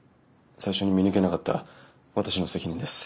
最初に見抜けなかった私の責任です。